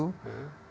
dan dia kabur